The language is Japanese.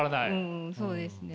うんそうですね。